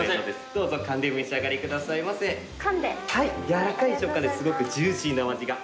軟らかい食感ですごくジューシーなお味が。